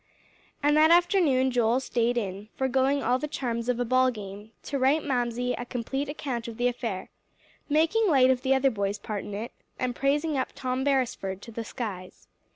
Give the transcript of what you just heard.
And that afternoon Joel staid in, foregoing all the charms of a ball game, to write Mamsie a complete account of the affair, making light of the other boys' part in it, and praising up Tom Beresford to the skies.